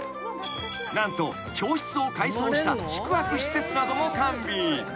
［何と教室を改装した宿泊施設なども完備］